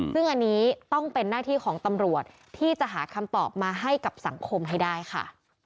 ซึ่งอันนี้ต้องเป็นหน้าที่ของตำรวจที่จะหาคำตอบมาให้กับสังคมให้ได้ค่ะ